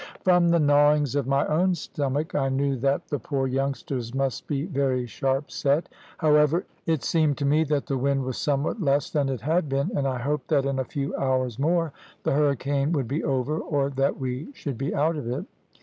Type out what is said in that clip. "From the gnawings in my own stomach I knew that the poor youngsters must be very sharp set. However, it seemed to me that the wind was somewhat less than it had been, and I hoped that in a few hours more the hurricane would be over, or that we should be out of it.